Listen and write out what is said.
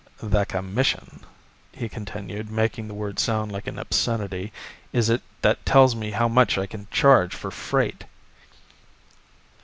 "The Commission," he continued, making the word sound like an obscenity, "it is that tells me how much I can charge for freight."